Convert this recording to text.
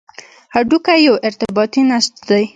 هډوکی یو ارتباطي نسج دی.